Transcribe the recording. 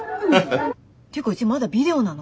ていうかうちまだビデオなの？